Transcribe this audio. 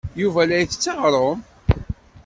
Yuba la isett aɣrum.